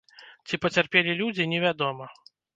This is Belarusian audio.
Ці пацярпелі людзі, невядома.